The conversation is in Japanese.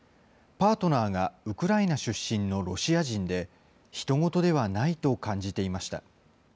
パートナーがウクライナ出身のロシア人で、ひと事ではないと感じていました。